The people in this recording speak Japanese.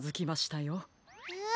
え？